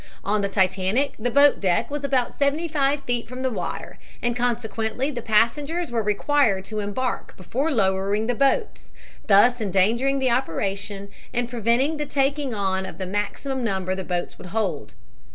On the Titanic the boat deck was about seventy five feet from the water and consequently the passengers were required to embark before lowering the boats, thus endangering the operation and preventing the taking on of the maximum number the boats would hold.